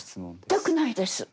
全くないです。